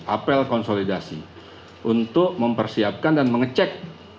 apel konsolidasi untuk mempersiapkan dan mengecek